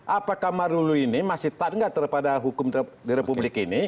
apakah marulu ini masih tangga terhadap hukum di republik ini